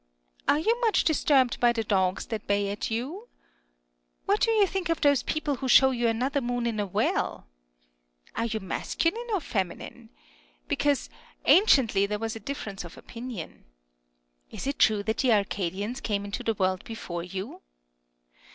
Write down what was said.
Are you much disturbed by the dogs that bay at you? What do you think of those people who show you another moon in a well ? Are you masculine or femi nine ?^— because anciently there was a difference of opinion. Is it true that the Arcadians came into the world before you